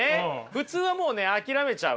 普通はもうね諦めちゃう。